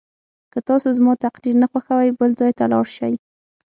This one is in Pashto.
که تاسو زما تقریر نه خوښوئ بل ځای ته لاړ شئ.